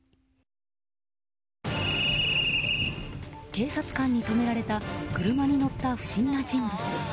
警察官に止められた車に乗った不審な人物。